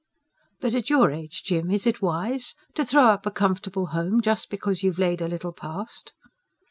"But at your age, Jim, is it wise? to throw up a comfortable home, just because you've laid a little past?"